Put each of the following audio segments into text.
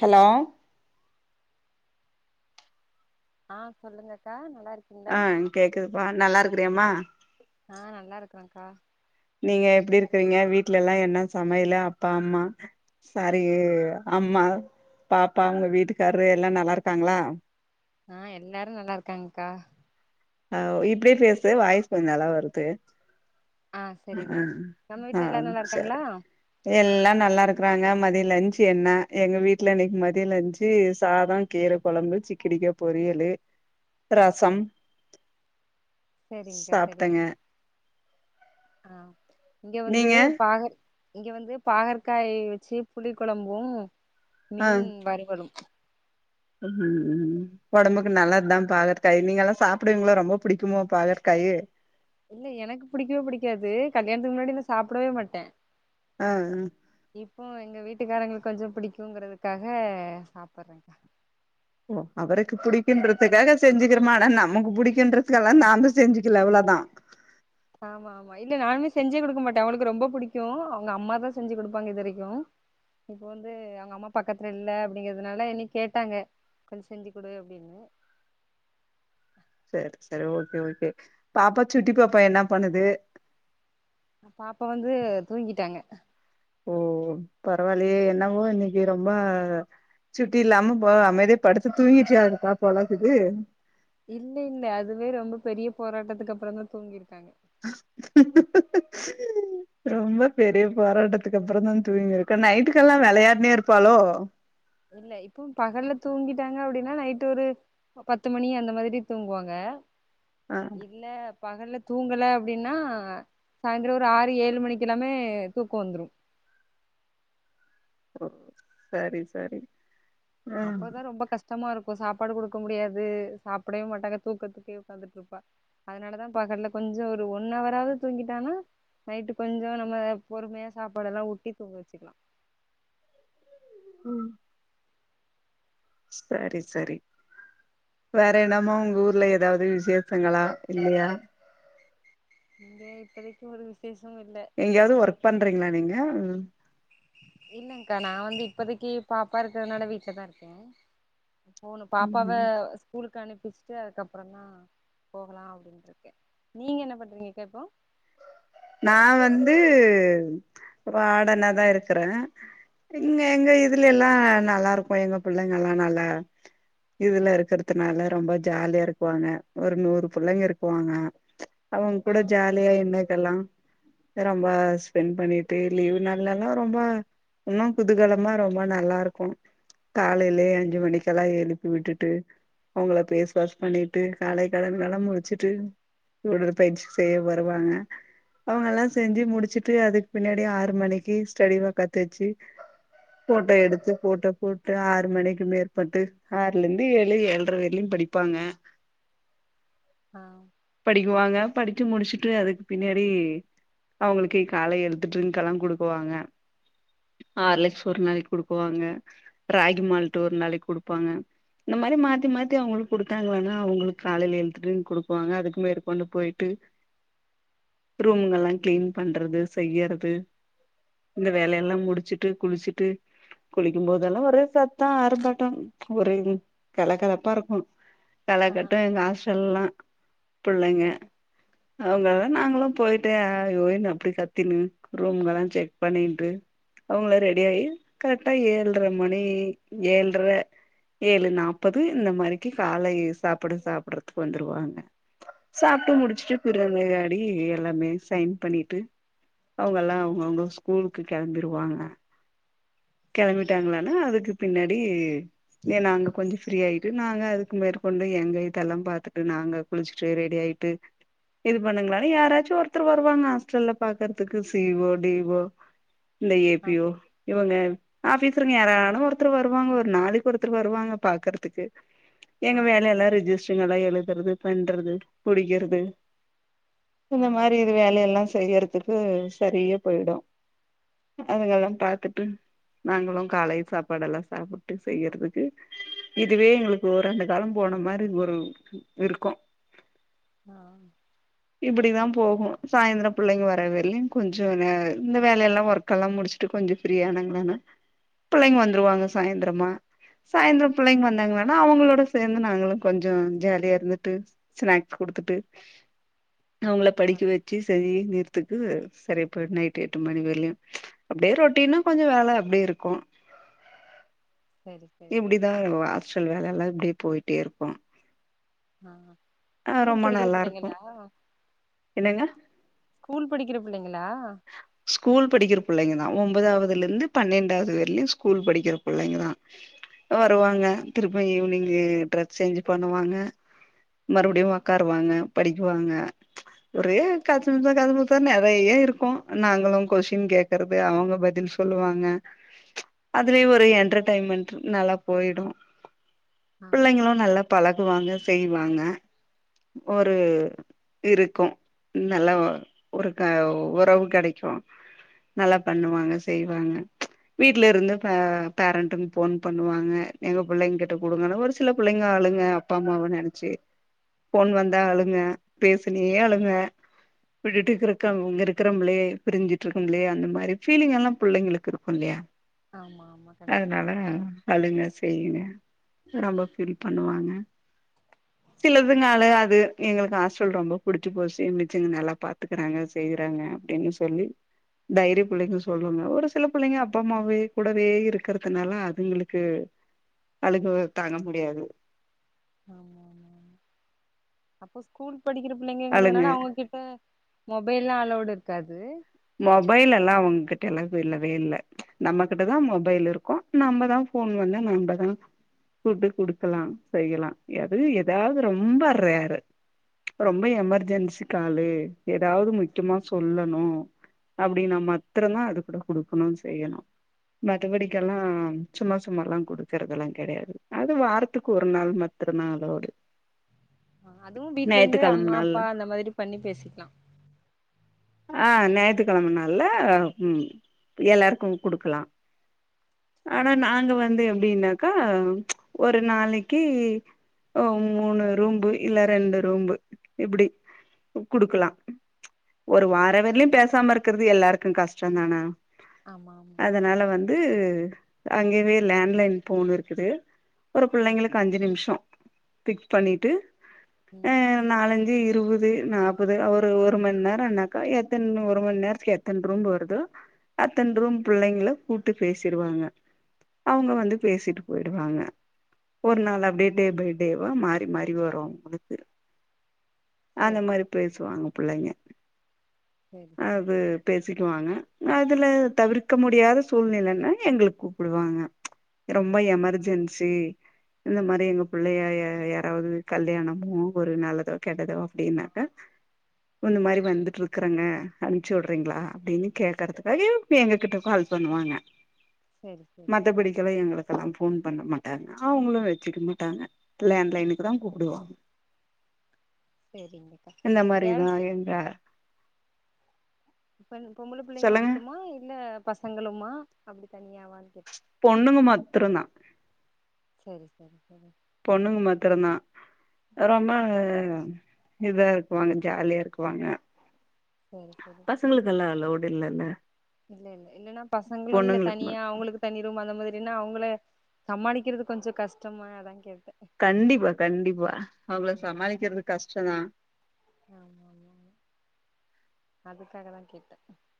hello ஆ சொல்லுங்க அக்கா நல்லாருக் ஆ கேக்குதுப்பா நல்லா இருக்கிறியாமா ஆ நல்லாருக்கா நீங்க எப்டி இருக்கிறீங்க வீட்ல எல்லா என்ன சமையல்லு அப்பா அம்மா சாரி அம்மா பாப்பா உங்க வீட்டுக்காரு எல்லா நல்லா இருக்காங்ளா ஆ எல்லாரும் நல்லாருக்காங்கக்கா ஆ இப்டியே பேசு வாய்ஸ் கொஞ்சம் நல்லா வருது ஆ செரிங்க்கா நம்ம வீட்ல எல்லாரும் நல்லாருக்காங்களா எல்லாம் நல்லாருக்கறாங்க மதியோ லஞ்சு என்ன எங்க வீட்ல இன்னைக்கி மதியோ லஞ்சு சாதம் கீர குழம்பு சிக்கடிக்கா பொரியலு ரசம் சரிங்க்கா சரிங்க சாப்ட்டங்க ஆ இங்க வந்து நீங்க பாகக் இங்க வந்து பாகற்காய் வச்சு புளி கொழம்பும் மீன் வருவலும் ம் ம் ஒடம்புக்கு நல்லதுதான் பற்காய் நீங்க எல்லா சாப்பிடுவீங்களா ரொம்ப புடிக்குமோ பாகற்காய்யு இல்ல எனக்கு படிக்கவே புடிக்காது கல்யாணத்துக்கு முன்னாடி நா சாப்டவே மாட்டேன் ஆ ஆ இப்போ எங்க வீட்டுக்காரங்களுக்கு கொஞ்சம் புடிக்குங்கறதுக்காக சாப்புறேங்க ஓ அவருக்கு பிடிக்கன்றதுக்காக செஞ்சுக்கிறோமா ஆனா நமக்கு பிடிக்கன்றதுக்கெல்லா நாம செஞ்சுக்கல அவ்ளோ தான் ஆமா ஆமா இல்ல நான்வேஜ் செஞ்சே குடுக்க மாட்டேன் அவுங்களுக்கு ரொம்ப புடிக்கும் அவுங்க அம்மாதான் செஞ்சு குடுப்பாங்க இது வரைக்கும் இப்ப வந்து அவங்க அம்மா பக்கத்துல இல்ல அப்டிங்கறதுனால என்னிய கேட்டாங்க கொஞ் செஞ்சு குடு அப்டின்னு சேர் சேர் ஓகே ஓகே பாப்பா சுட்டி பாப்பா என்ன பண்ணுது பாப்பா வந்து தூங்கிட்டாங்க ஓ பரவாயில்லயே என்னவோ இன்னைக்கு ரொம்ப சுட்டி இல்லாம போ அமைதியா படுத்து தூங்கிட்டியா இருக்கா போலக்குது இல்ல இல்ல அதுவே ரொம்ப பெரிய போராட்டத்துக்கு அப்பறம் தான் தூங்கிருக்காங்க [unintelligible] ரொம்ப பெரிய போராட்டத்துக்கு அப்பறம் தான் தூங்கிருக்கேன் நைட்டுக்கெல்லாம் விளையாடினே இருப்பாலோ இல்ல இப்போ பகல்ல தூங்கிட்டாங்க அப்டின்னா நைட் ஒரு பத்து மணி அந்த மாதிரி தூங்குவாங்க ஆ இல்ல பகல்ல தூங்கலை அப்டின்னா சாந்தரம் ஒரு ஆறு ஏழு மணிக்கெல்லாமே தூக்கம் வந்துடும் ஓ சரி சரி ஆ அப்போதான் ரொம்ப கஷ் டமா இருக்கும் சாப்பாடு குடுக்க முடியாது சாப்பிடவே மாட்டாங்க தூக்கத்துக்கே உட்காந்துட்டுருப்பா அதனாலதான் பாக்கற கொஞ்சம் ஒரு ஒன் அவராவது தூங்கிட்டானா நைட்டு கொஞ்சம் நம்ம பொறுமையா சாப்பாடல்லாம் ஊட்டி தூங்க வச்சுக்கலாம் ம் சரி சரி வேற என்னமோ உங்க ஊர்ல ஏதாவது விசேஷங்களா இல்லையா இங்க இப்போதைக்கி ஒரு விசேஷமு இல்ல எங்கெயாவது சும்மாதா ஒர்க் பண்றீங்களா நீங்க இல்லங்கா நா வந்து இப்போதைக்கி பாப்பா இருக்கறதுனால வீட்ல தா இருக்கே மூனு பாப்பாவ ம் ஸ்கூலுக்கு அனுப்பிச்சிட்டு அதுக்கப்பறம் தா போகலா அப்டின்னுருக்கே நீங்க என்ன பண்றீங்க்கா சகோ நா வந்து ஃப்ராடனா தா இருக்கே இங்க எங்க இதுல எல்லா நல்லா இருக்கும் எங்க பிள்ளைங்க எல்லா நல்லா இதுல இருக்கறதுனால ரொம்ப ஜாலியா இருக்குவாங்க ஒரு நூறு புள்ளைங்க இருக்குவாங்க அவுங்க ஆ கூட ஜாலியா என்ன இதெல்லா ரொம்ப ஸ்பெண்ட் பண்ணிட்டு லீவ் நாள்ல்ல தா ரொம்ப இன்னும் குதுகலமா ரொம்ப நல்லா இருக்கும் காலைலயே அஞ்சு மணிக்கெல்லா எழுப்பி விட்டுட்டு அவங்கள பேஸ் வாஷ் பண்ணிட்டு காலை கடன்லா முடுச்சிட்டு உடற்பயிற்சி செய்ய வருவாங்க அவுங்க எல்லா செஞ்சு முடிச்சிட்டு அதுக்கு பின்னாடி ஆறு மணிக்கு ஸ்டடி வா கத்து வச்சு ஃபோட்டோ எடுத்து ஃபோட்டோ போட்டு ஆறு மணிக்கு மேற்பட்டு ஆறுல இருந்து ஏழு ஏழரை வரையிலு படிப்பாங்க ஆ படிக்குவாங்க படிச்சு முடிச்சுட்டு அதுக்கு பின்னாடி அவுங்களுக்கு காலை எழ்த்து ட்ரிங்காலா குடுக்குவாங்க ஆ ஹார்லிக்ஸ் ஒரு நாளைக் குடுக்குவாங்க ராகி மால்ட்டு ஒரு நாளைக்கி குடுப்பாங்க இந்த மாரி மாத்தி மாத்தி அவுங்களுக்கு கொடுத்தாங்களன்னா அவுங்களுக்கு காலைல எழ்த்து ட்ரிங் குடுக்குவாங்க அதுக்கு மேற்கொண்டு போய்ட்டு ரூமுங்கல்லா க்ளீன் பண்றது செய்யறது இந்த வேலை எல்லா முடிச்சுட்டு குளிச்சுட்டு குளிக்கும் போதெல்லா ஒரே சத்த ஆரம்பாட்ட ஒரே கலகலப்பா இருக்கு ஆ கலகட்டு எங்க ஆஸ்டல்லா புள்ளைங்க ஆ ஆ அவுங்களு நாங்களு போய்ட்டு ஆய் ஊய்னு அப்டி கத்தினு ரூம்கல்லா செக் பண்ணின்டு அவுங்களு ரெடி ஆயி கரெக்டா ஏழ்ர மணி ஏழ்ர ஏழு நாப்பது இந்த மாரிக்கி காலை சாப்புடு சாப்புடுறதுக்கு வந்துருவாங்க சாப்ட்டு முடிச்சுட்டு பிறந்காடி எல்லாமே சைன் பண்ணிட்டு அவுங்கல்லா அவுங்கவுங்க ஸ்கூலுக்கு கெளம்பிருவாங்க சேரி சேரி கெளம்பிட்டாங்களானா அதுக்கு பின்னாடி ஏ நாங்க கொஞ்ச ஃப்ரீ ஆய்ட்டு நாங்க அதுக்கு மேற்கொண்டு எங்க இதெல்லா பாத்துட்டு நாங்க குழுச்சுட்டு ரெடி ஆய்ட்டு இது பண்ணுங்களானா யாராச்சு ஒருத்தர் வருவாங்க ஹாஸ்டல்ல பாக்குறதுக்கு சி ஓ டி ஓ இல்ல ஏ ஆ பி ஓ இவுங்க ஆஃபிசருங்க யாராளும ஒருத்தர் வருவாங்க ஒரு நாளைக்கி ஒருத்தர் வருவாங்க பாக்குறதுக்கு எங்க ஆ வேல எல்லா ரிஜிஸ்டரிங்க எல்லா எழுதுறது பண்றது புடிக்கிறது இந்த ஆ மாரி இது வேலையெல்லா செய்யறதுக்கு சரியா பொய்டு அதுங்கெல்லா பாத்துட்டு நாங்களு காலை சாப்பாடெல்லா சாப்ட்டு செய்யறதுக்கு இதுவே எங்களுக்கு ஒராண்டு கால போன மாரி ஒரு இருக்கு ஆ சரி இப்பிடிதா சரி போகு சாய்ந்ர புள்ளைங்க வரவர்லு கொஞ்ச இந்த வேலை எல்லா ஒர்க் எல்லா முடிச்சுட்டு கொஞ்சம் ஃப்ரீயா ஆனாங்களானா புள்ளைங்க வந்துருவாங்க சாய்ந்தரமா சாய்ந்ர பிள்ளைங்க வந்தாங்களானா அவுங்களோட சேந்து நாங்களு கொஞ்ச ஜாலியா இருந்துட்டு ஸ்நாக்ஸ் குடுத்துட்டு அவங்கள ஆ படிக்க வச்சு சரி நேரத்துக்கு சரியா போய்டு நைட் எட்டு மணி வர்லயு அப்டியே ரொட்டின்னா கொஞ்ச வேல அப்டியே இருக்கு சரி சரிங்க இப்டிதா ஹாஸ்டல் வேலல்லா இப்டியே போய்ட்டே இருக்கு ஆமா ஆ ஸ்கூல் ரொம்ப படிக்கிற நல்லா இருக்கு பிள்ளைங்களா என்னங்க ஸ்கூல் படிக்கிற பிள்ளைங்களா ஸ் கூல் படிக்கிற பிள்ளைங்கதா ஒன்பதாவதுல இருந்து பன்னெண்டாவது வர்லயு ஸ்கூல் படிக்கிற பிள்ளைங்கதா வருவாங்க திருப்பி ஈவினிங்க் ட்ரெஸ் சேஞ்ச் பண்ணுவாங்க மறுவடியு ஒக்காருவாங்க படிக்குவாங்க ஒரே கச முசா கசமுசான் நெறைய இருக்கு நாங்களு கொஸின் கேக்கறது அவங்க பதில் செ சொல்லுவாங்க அதுலயு ஒரு என்டர்டெய்ன்மென்ட் நல்லா போயிடு ஆ பிள்ளைங்களு நல்லா பழகுவாங்க செய்வாங்க ஒரு இருக்கு நல்லா ஒரு க உறவு கெடைக்கு நல்லா ஆ பண்ணுவாங்க செய்வாங்க வீட்ல இருந்து பே பேரண்ட்டுங்க ஃபோன் பண்ணுவாங்க எங்க பிள்ளைங்க கிட்ட குடுங்கனு ஒரு சில புள்ளைங்க அழுங்க அப்பா அம்மாவ நெனச்சு ஃபோன் ஆ வந்தா அழுங்க பேசினே அழுங்க விட்டுட்டு இருக்கங் இருக்கறங்ளே பிரிஞ்சுட்டு இருக்கும்லயா அந்த மாரி ஃபீலிங் எல்லா பிள்ளைங்களுக்கு இருக்கு இல்லையா ஆமா ஆமா கண்டிப்பா அதனால அழுங்க செய்யுங்க ரொம்ப ஃபீல் பண்ணுவாங்க சிலதுங்க ஆ அழுகாது எங்களுக்கு ஆ ஸ்டல் ரொம்ப புடிச்சு போச்சு மிஸ்சுங்க நல்லா பாத்துக்கறாங்க செய்யறாங்க அப்படின்னு சொல்லி தைரிய பிள்ளைங்க சொல்லுவாங்க ஒரு சில பிள்ளைங்க அப்பா அம்மாவே கூடவே இருக்கறதுனால அதுங்களுக்கு அழுக தாங்க முடியாது ஆமாமா அப்போ ஸ்கூல் படிக்கிற அழுங்க பிள்ளைங்கங்கிறதுனால அவங்ககிட்ட மொபைல்ல்லா அலோடு இருக்காது மொபைல் எல்லா அவங்க கிட்டல்லா இல்லவே இல்ல நம்மகிட்டதா மொபைல் இருக்கு நம்மதா ஃபோன் வந்து நம்மதா கூட்டு குடுக்கலா செய்யலா அது ஏதாது ரொம்ப ரேரு ரொம்ப எமர்ஜென்சி காலு எதாவது முக்யமா சொல்லணு அப்டின்னா மத்திரந்தா அது கூட குடுக்கணு செய்யணு மத்தபடிக்கெல்லா சும்மா சும்மாலா குடுக்கறதெல்லா கெடையாது அது வாரத்துக்கு ஒரு நாள் ம ட்டுந்தா அலவ்டு அதுவு வீட்ல இருந்து அம்மா அப்பா அந்த மாரி பண்ணி பேசிக்லா ஆ நா யித்து கிழமனால ம் எல்லாருக்கு குடுக்கலா ஆனா சரி சரி நாங்க வந்து எப்டின்னாக்கா ஒரு நாளைக்கு ஓ மூணு ரூம்பு இல்ல ரெண்டு ரூம்பு இப்பிடி குடுக்கலா ஒரு வார வரலயு பேசாம இருக்கறது எல்லாருக்கு கஷ்டந் தான ஆமா ஆமா அதனால வந் து அங்கேவே லேண்ட்லைன் போன் இருக்குது ஒரு ஆ புள்ளைங்களுக்கு அஞ்சு நிமிஷ பிக் பண்ணிட்டு ம் அ நாலஞ்சு இருவது நாப்பது ஒரு ஒரு மண் நேரன்னாக்கா எத்தன ஒரு மண் நேரத்துக்கு எத்தன ரூம் வருதோ அத்தன ரூம் பிள்ளைங்கள கூப்ட்டு பேசிருவாங்க அவங்க வந்து பேசிட்டு போயிடுவாங்க ஒரு நாள் சரி அப்படியே டே பை டேவா மாறி மாறி வரு உங்களுக்கு அந்த சரி மாரி பேசுவாங்க பிள்ளைங்க சரி சரி அது பேசிக்குவாங்க அதுல தவிர்க்க முடியாத சூழ்நிலைன்னா எங்களுக் கூப்புடுவாங்க ரொம்ப எமர்ஜென்சி இந்த மாரி எங்க புள்ளைய யாராவது கல்யாணமோ ஒரு நல்லதோ கெட்டதோ அப்டின்னாக்க இந்த மாரி வந்துட்டு இருக்குறங்க அனுப்ச்சுடறிங்களா அப்டின்னு கேக்கறதுக்காகயு எங்க கிட்ட கால் பண்ணுவாங்க சரி சரி சரி மத்தபடிக்கலா எங்களுக் இப்பல்லா ஃபோன் பண்ண மாட்டாங்க அவுங்ளு வச்சுக்க மாட்டாங்க லேண்ட்லைனுக்கு தா கூப்டுவாங்க சரிங்கக்கா இந்த மாரிதா கேர்ள்ஸ் எந்த இப்ப பொம்பள புள்ளைங்க சொல்லுங்க மட்டுமா இல்ல பசங்களும்மா அப்டி தனியாவானு கேட் பொண்ணுங்க மத்துரு தா செரி செரி செரி பொண்ணுங்க மத்துரு தா ரொம்ப இத இருக்குவாங்க ஜாலியா இருக்குவாங்க சேரி சேரி பசங்களுக்கெல்லா அலோடு இல்லங்க இல்ல இல்ல இல்லன்னா பசங்களுல்ல தனியா மட் அவுங்ளுக்கு தனிரூம் அந்த மாதிரினா அவுங்கள சமாளிக்கிறது கொஞ்சோ கஷ்டமா அதா கேட்டே கண்டிப்பா கண்டிப்பா அவுகள சமாளிக்கிறது கஷ்டோ தா ஆமாம்மா அதுக்காக தா கேட்டே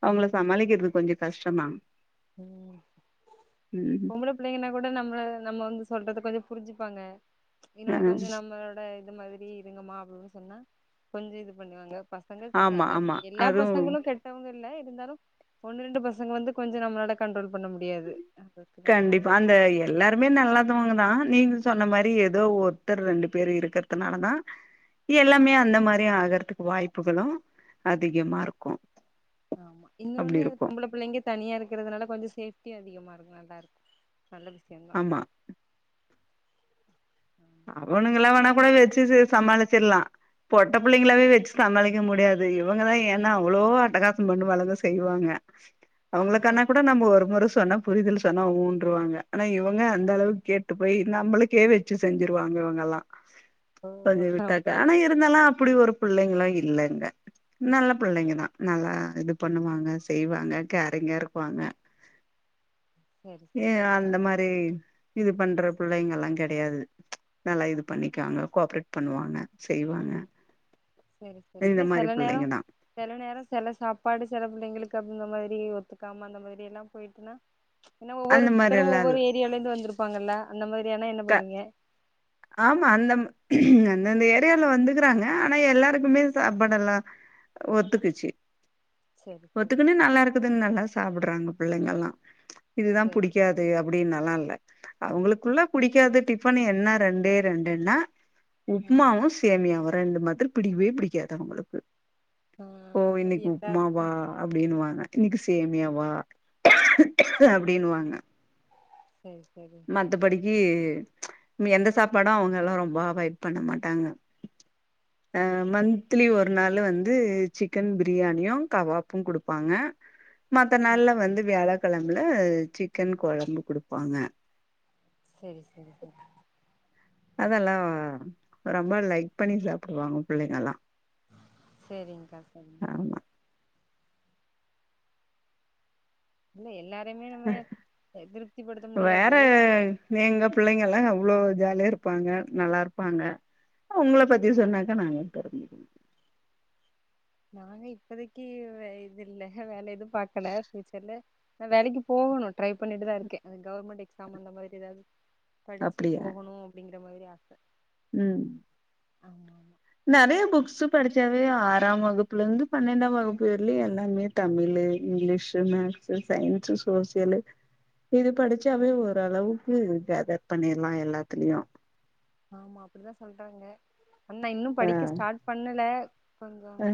அவுங்கள சமாளிக்கிறது கொஞ்சோ கஷ்ட தா ம் ம் பொம்பளப் பிள்ளைங்கன்னா கூட நம்மள நம்ம வந்து சொல்றத கொஞ்சோ புரிஞ்சுப்பாங்க இன்னொன்னு ஆ கொஞ்சோ நம்மளோட இந்த மாரி இருங்கமா அப்டின் சொன்னா கொஞ்சோ இது பண்ணுவாங்க பசங் பசங்க ஆமா செல ஆமா எல்லா அதுவு பசங்களு கெட்டவங்க இல்ல இருந்தாலு ஒன்னு ரெண்டு பசங்க வந்து கொஞ்சோ நம்மளோட கண்ட்ரோல் பண்ண முடியாது அதுக்கு தா கேட்டே கண்டிப்பா அந்த ஏ எல்லாருமே நல்லதவுங்க தா நீங்க சொன்ன மாரி ஏதோ ஒருத்தர் ரெண்டு பேரு இருக்றதுனாலதா எல்லாமே அந்த மாரி ஆகறதுக்கு வாய்ப்புகளு அதிகமாருக்கு ஆமா இன்னொன்னு பொம்பள புள்ளைங்க தனியா இருக்றதுனால கொஞ்சோ சேஃப்டியு அதிகமாருக்கு நல்லா இருக்கு நல்ல விஷ்யோ தா அது ஆமா அவனுங்கல்லா வேணா கூட வச்சு சமாளிச்சிட்லா பொட்ட புள்ளைங்களாவே வச்சு சமாளிக்க முடியாது இவுங்கதா ஏந்தா அவ்ளோ அட்டகாசோ பண்ணுவாளுக செய்வாங்க [inaudible] அவுங்ளுக்கானா கூட நம்ம ஒரு முற சொன்னா புரிதல் சொன்னா ஊன்றுவாங்க ஆனா இவுங்க அந்த அளவுக்கு கேட் டு போய் நம்பளுக்கே வெச்சு செஞ்சுருவாங்க இவுங்கல்லா ஓ கொஞ்சோ விட்டாக்க அப்படியா ஆனா எல் இருந்தாலு அப்டி ஒரு புள்ளைங்ளா இல்லங்க நல்ல பிள்ளைங்கதா நல்லா இது பண்ணுவாங்க செய்வாங்க கேரீங்கா இருப்பாங்க சரி ஏ சரிங்க அந்த மாரி இது பண்ற புள்ளைங்கெல்லா கெடையாது நல்லா இது பண்ணிக்குவாங்க கோஆப்ரேட் பண்ணுவாங்க செய்வாங்க சேரி சேரி இந்த இல்ல மாரி செல நேரோ புள்ளைங்க தா செல நேரோ செல சாப்பாடு செல புள்ளைங்களுக்கு அப்டி இந்த மாரி ஒத்துக்காம அந்த மாரி எல்லா போயிட்டுன்னா ஏன்னா அந்த மாரி ஒவ்வொருத்தரு எல்லா இல்ல ஒவ்வொரு ஏரியாலருந்து வந்திருப்பாங்கல்ல அந்த மாரியானா என்ன க பண்ணுவீங்க ஆமா அந்தம் அந்தந்த ஏரியால வந்துக்குறாங்க ஆனா எல்லாருக்குமே சாப்பாடெல்லா ஒத்துக்குச்சு சரி சரி ஒத்துக்குனு நல்லா இருக்குதுன்னு நல்லா சாப்புட்றாங்க புள்ளைங்கல்லா இதுதா சரி புடிக் காது அப்டின்னல்லா இல்ல அவுங்களுக்குள்ள புடிக்காத டிஃபன் என்னா ரெண்டே ரெண்டுன்னா ஆ உப்மாவு சேமியாவு ரெண்டு மத்ரு புடிக்கவே புடிக்காது அவுங்களுக்கு ஆ ஓ அது இன்னைக்கி உப்மாம் எல்லாருக்கு அப்படின்னு வாங்க இன்னைக்கு சேமியாவா அப்படினுவாங்க சரி சரி மத்தபடிக்கு எந்த சாப்பாடும் அவங்க எல்லாம் ரொம்ப அவாய்ட் பண்ண மாட்டாங்க ஆ சரி மந்த்த்லி ஒரு ஒரு நாள் வந்து சிக்கன் பிரியாணியும் கபாப்பும் கொடுப்பாங்க மத்த ஆ நாள்ல வந்து வியாழக்கிழம்பல சிக்கன் குழம்பு குடுப்பாங்க சரி சரி சரி அதெல்லா ரொம்ப லைக் பண்ணி சாப்பிடுவாங்க பிள்ளைங்கல்லா சரிங்க்கா சரி ஆமா இல்ல எல்லாரையுமே நம்ம திருப்தி படுத்த முடியாது நீங்க பிள்ளைங்க எல்லா அவ்வளவு ஜாலியா இருப்பாங்க நல்லா இருப்பாங்க ஆ உங்கள பத்தி சொன்னாக்கா நாங்க தெரிஞ் நானே இப்பதைக்கு இது இல்ல வேல எதுவும் பாக்கல பஃயூச்சர்ல நா வேலைக்கு போகணும் ட்ரை பண்ணிட்டுத இருக்கே அது கவர்மெண்ட் எக்ஸாம் அந்த மாதிரி ஏதாவது படிச்சு போகணும் அப்படிங்கிற மாதிரி ஆச உம் ஆமா ஆமா நிறைய புக்ஸ் படிச்சாவே ஆறாம் வகுப்புல இருந்து பன்னெண்டா வகுப்பு வரவே எல்லாமே Tamil English maths science social இது படிச்சவே ஓரளவுக்கு கேதர் பண்ணிடலா எல்லாத்துலயும் ஆமா அப்படித்தா சொல்றாங்க அண்ணா இன்னும் ஆ படிக்க ஸ்டார்ட் பண்ணல இப்பங்க ஆ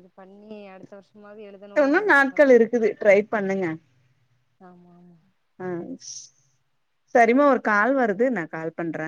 இது பண்ணி அடுத்த வருஷமாவ எடு இன்னு நாட்கள் இருக்குது ட்ரை பண்ணுங்க ஆமா ஆமா ஆ செரி மா ஒரு கால் வருது நா கால் பண்ணுற